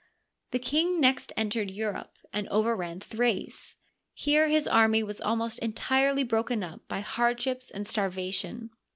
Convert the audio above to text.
The king next entered Europe, and overran Thrace. Here his army was almost entirely broken up by hardships and starvation.